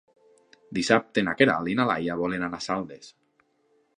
Dissabte na Queralt i na Laia volen anar a Saldes.